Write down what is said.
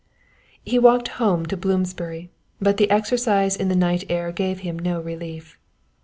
He walked home to Bloomsbury, but the exercise in the night air gave him no relief.